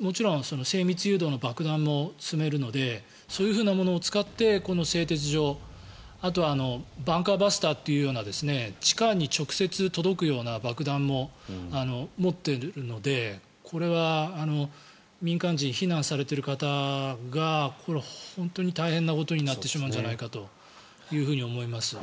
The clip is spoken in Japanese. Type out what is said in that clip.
もちろん精密誘導の爆弾も積めるのでそういうものを使ってこの製鉄所あとはバンカーバスターというような地下に直接届くような爆弾も持っているので、これは民間人、避難されている方が本当に大変なことになってしまうんじゃないかと思います。